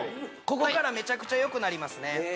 ここからめちゃくちゃよくなりますね